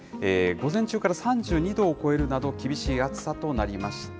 午前中から３２度を超えるなど、厳しい暑さとなりました。